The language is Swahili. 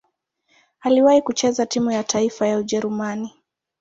Aliwahi kucheza timu ya taifa ya Ujerumani.